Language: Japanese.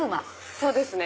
そうですね。